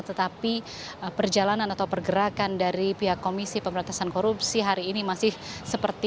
tetapi perjalanan atau pergerakan dari pihak komisi pemerintahan korupsi hari ini masih seperti